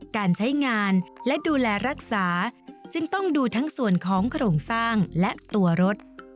การใช้งานและดูแลรักษาจึงต้องดูทั้งส่วนของโครงสร้างและตัวรถ